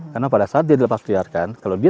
karena pada saat dia dilepasliarkan kalau dia